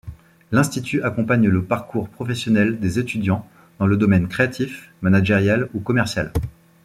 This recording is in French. L'Institut accompagne le parcours professionnel des étudiants dans le domaine créatif, managérial ou commercial.